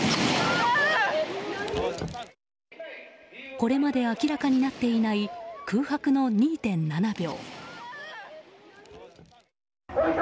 これまで明らかになっていない空白の２．７秒。